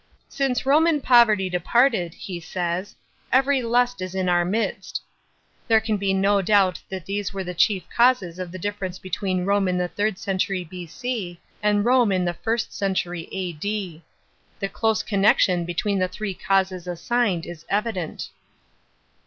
" Since Roman poverty departed," he says, " every lust is iu our midst " There can be no doubt that these were the chief causes of the difference between Rome in the third century B.C. and Rome in the first century A.D. The close connection between the three causes assigned is evident.